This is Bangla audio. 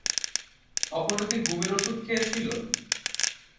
তখনও কি ঘুমের ঔষধ খেয়েছিল?